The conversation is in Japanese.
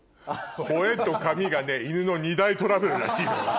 「吠えと噛み」が犬の２大トラブルらしいのよ。